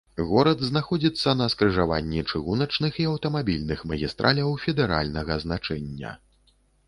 Горад знаходзіцца на скрыжаванні чыгуначных і аўтамабільных магістраляў федэральнага значэння.